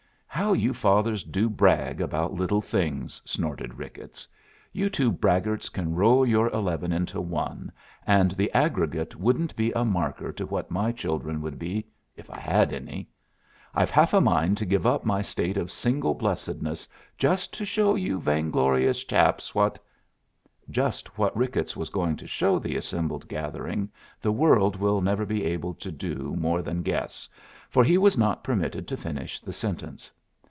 "How you fathers do brag about little things!" snorted Ricketts. "You two braggarts can roll your eleven into one, and the aggregate wouldn't be a marker to what my children would be if I had any. I've half a mind to give up my state of single blessedness, just to show you vainglorious chaps what " Just what Ricketts was going to show the assembled gathering the world will never be able to do more than guess, for he was not permitted to finish the sentence.